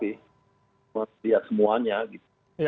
lihat semuanya gitu